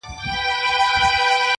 په پای کي هر څه بې ځوابه پاتې کيږي-